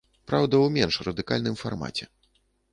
Праўда, у менш радыкальным фармаце.